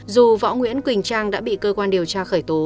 dù võ nguyễn quỳnh trang đã bị cơ quan điều tra khởi tố